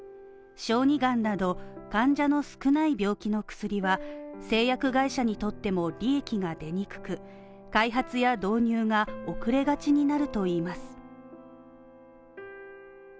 小児がんなど、患者の少ない病気の薬は製薬会社にとっても利益が出にくく開発や導入が遅れがちになるといいます。